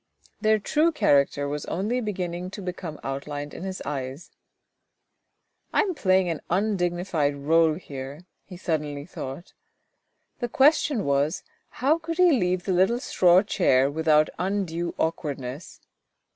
Their true character was only beginning to become outlined in his eyes. " I am playing an undignified role here," he suddenly thought. The question was, how he could leave the little straw chair without undue awkwardness.